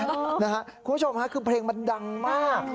คุณผู้ชมค่ะคือเพลงมันดังมาก